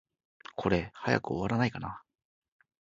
これ、早く終わらないかな。